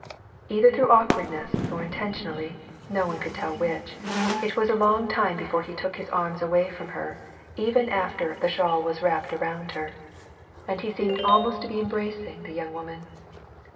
Either through awkwardness or intentionally, (no one could tell which), it was a long time before he took his arms away from her even after the shawl was well wrapped WAR AND PEACE. 26 round her, and he seemed almost to be embracing the young woman.